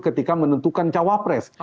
ketika menentukan capres